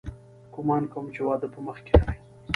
ګومان کوم چې واده په مخ کښې لري.